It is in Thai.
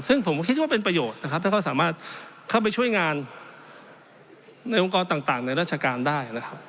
ซึ่งผมก็คิดว่าเป็นประโยชน์นะครับถ้าเขาสามารถเข้าไปช่วยงานในองค์กรต่างในราชการได้นะครับ